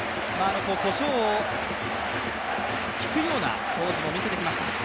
コショウをひくようなポーズも見せてきました。